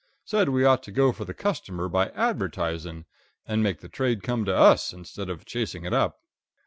Said we ought to go for the consumer by advertising, and make the trade come to us, instead of chasing it up.